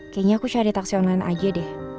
kayaknya aku cari taksi online aja deh